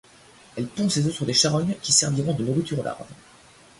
Elle pond ses œufs sur des charognes qui serviront de nourriture aux larves.